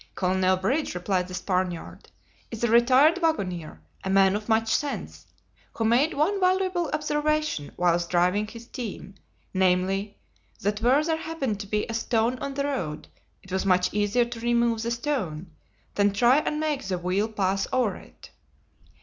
"Colonel Bridge," replied the Spaniard, "is a retired wagoner, a man of much sense, who made one valuable observation whilst driving his team, namely, that where there happened to be a stone on the road, it was much easier to remove the stone than try and make the wheel pass over it.